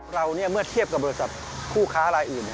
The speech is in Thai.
เมื่อเทียบกับบริษัทผู้ค้ารายอื่น